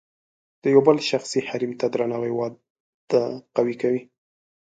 د یو بل شخصي حریم ته درناوی واده قوي کوي.